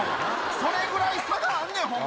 それぐらい差があんねん、ほんま。